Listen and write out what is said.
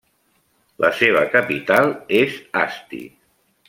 La seva capital és Asti.